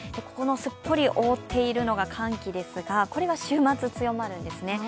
ここのすっぽり覆っているのが寒気ですが、これが週末、強まるんです。